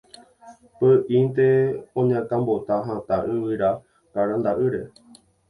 py'ỹinte oñakãmbota hatã yvyra karanda'ýre